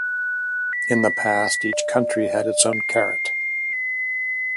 In the past, each country had its own carat.